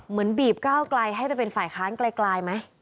เหมือนบีบข้าวไกรให้เป็นฝ่ายค้านไกลไหม